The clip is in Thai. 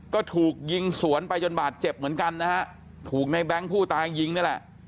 ก็ถูกยิงสวนไปจนบาดเจ็บเหมือนกันนะฮะถูกในแบงค์ผู้ตายยิงนี่แหละ